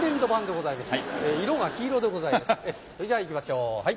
それじゃあ行きましょうはい。